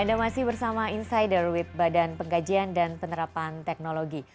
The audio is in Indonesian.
anda masih bersama insider with badan pengkajian dan penerapan teknologi